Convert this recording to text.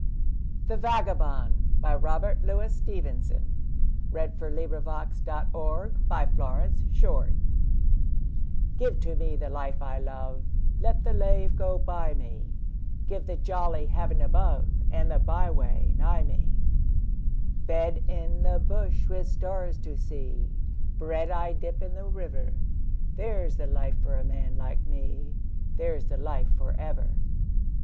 avel and Other Verses by Robert Louis Stevenson ITHE VAGABOND (To an air of Schubert) GIVE to me the life I love, Let the lave go by me, Give the jolly heaven above And the byway nigh me. Bed in the bush with stars to see, Bread I dip in the river There's the life for a man like me, There's the life for ever.